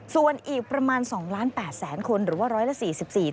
ส่วนอีกประมาณ๒๘ล้านคนหรือว่า๑๔๔ล้านคน